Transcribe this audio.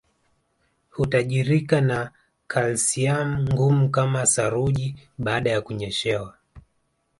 Hutajirika na kalsiamu ngumu kama saruji baada ya kunyeshewa